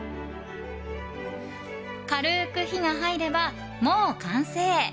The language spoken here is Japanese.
軽く火が入ればもう完成。